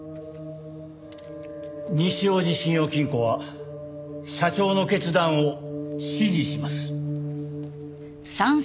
西王子信用金庫は社長の決断を支持します。